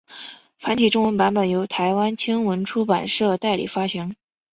繁体中文版本由台湾青文出版社代理发行。